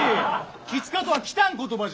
きつかとは北ん言葉じゃ。